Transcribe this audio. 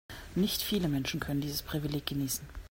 Nicht viele Menschen können dieses Privileg genießen.